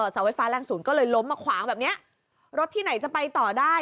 เสาไฟฟ้าแรงศูนย์ก็เลยล้มมาขวางแบบเนี้ยรถที่ไหนจะไปต่อได้